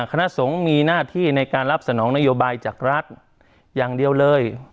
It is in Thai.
คณะสงฆ์มีหน้าที่ในการรับสนองนโยบายจากรัฐอย่างเดียวเลย